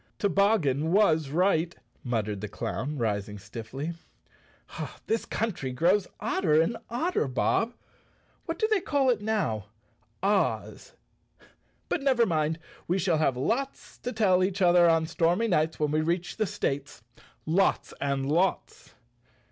"Toboggan was right," muttered the clown, rising stiffly. "This country grows odder and odder, Bob. What do they call it now—Oz? But never mind, we shall have lots to tell each other on stormy nights when we reach the states. Lots and lots!"